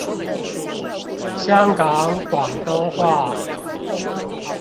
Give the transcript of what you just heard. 香港廣東話